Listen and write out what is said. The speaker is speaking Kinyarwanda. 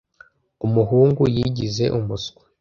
Umuhungu yigize umuswa.